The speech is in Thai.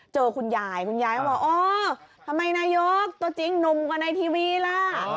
เจอคุณยายคุณยายก็บอกอ๋อทำไมนายกตัวจริงหนุ่มกว่าในทีวีล่ะ